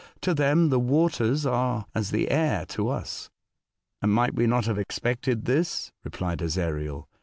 To them the waters are as the air to us." "And might we not have expected this?" replied Ezariel.